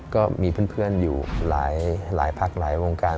ก็มีเพื่อนอยู่หลายภาคหลายวงการ